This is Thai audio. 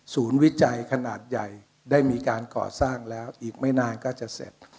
วิจัยขนาดใหญ่ได้มีการก่อสร้างแล้วอีกไม่นานก็จะเสร็จ